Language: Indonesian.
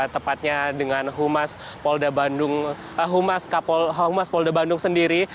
tepatnya dengan humas polda bandung sendiri